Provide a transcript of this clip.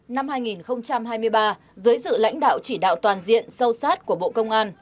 năm hai nghìn hai mươi ba dưới sự lãnh đạo chỉ đạo toàn diện sâu sát của bộ công an